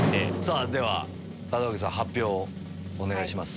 では門脇さん発表お願いします。